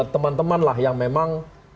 teman teman lah yang memang